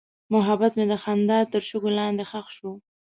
محبت مې د خندا تر شګو لاندې ښخ شو.